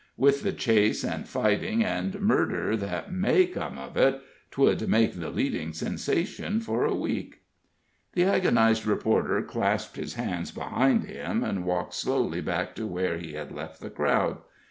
With the chase, and fighting, and murder that may come of it, 'twould make the leading sensation for a week!" The agonized reporter clasped his hands behind him and walked slowly back to where he had left the crowd.